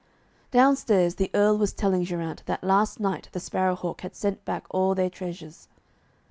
Downstairs the Earl was telling Geraint that last night the Sparrow hawk had sent back all their treasures.